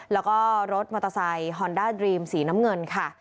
แล้วก็รถมอเตอร์ไซค์ฮอนด้าดรีมสีน้ำเงินค่ะ